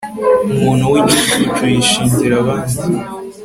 umuntu w'igicucu yishingira abandi